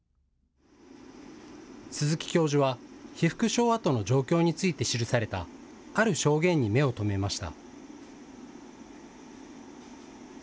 鈴木教授は被服廠跡の状況について記されたある証言に目を留めました。